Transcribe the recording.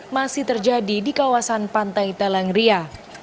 masih terjadi di kawasan pantai teleng ria